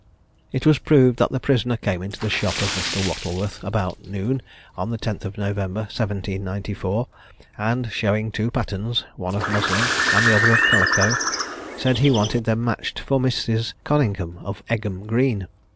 It was proved that the prisoner came into the shop of Mr. Wattleworth, about noon, on the 10th of November 1794, and, showing two patterns, one of muslin, and the other of calico, said he wanted them matched for Mrs. Coningham, of Egham Green.